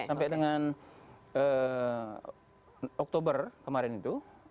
sampai dengan oktober kemarin itu